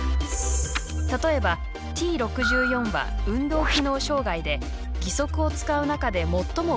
例えばＴ６４は運動機能障がいで義足を使う中で最も軽いクラスです。